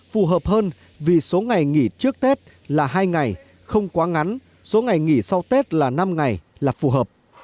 phù hợp hơn vì số ngày nghỉ trước tết là hai ngày không quá ngắn số ngày nghỉ sau tết là năm ngày là phù hợp